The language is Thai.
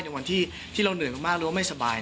ในวันที่เราเหนื่อยมากหรือว่าไม่สบาย